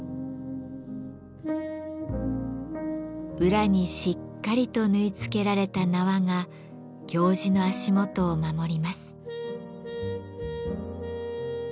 裏にしっかりと縫い付けられた縄が行司の足元を守ります。